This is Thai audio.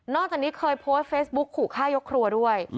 จากนี้เคยโพสต์เฟซบุ๊กขู่ฆ่ายกครัวด้วย